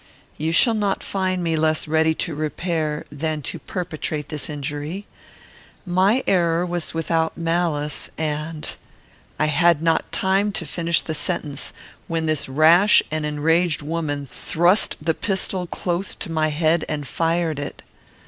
You shall not find me less ready to repair, than to perpetrate, this injury. My error was without malice, and " I had not time to finish the sentence, when this rash and enraged woman thrust the pistol close to my head and fired it.